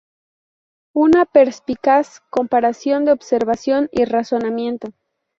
Es una perspicaz comparación de observación y razonamiento.